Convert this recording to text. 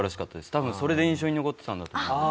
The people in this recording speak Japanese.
多分それで印象に残ってたんだと思います。